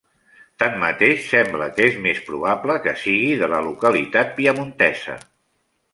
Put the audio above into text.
Tanmateix, sembla que és més probable que sigui de la localitat piamontesa.